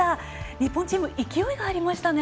日本チーム勢いがありましたね。